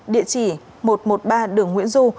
địa chỉ một trăm một mươi ba đường nguyễn du